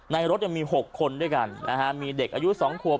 ในรถยังมี๖คนด้วยกันนะฮะมีเด็กอายุ๒ขวบ